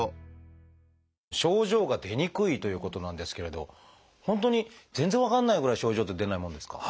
症状が出にくいということなんですけれど本当に全然分かんないぐらい症状って出ないもんですか？